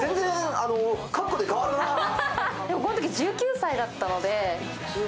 このとき１９歳だったので。